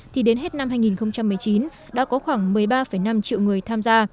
thì đến hết năm hai nghìn một mươi chín đã có khoảng một mươi ba năm triệu người tham gia